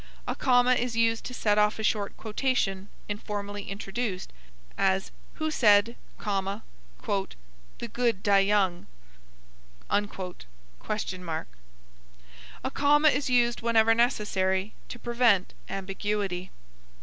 A comma is used to set off a short quotation informally introduced; as, Who said, "The good die young"? A comma is used whenever necessary to prevent ambiguity.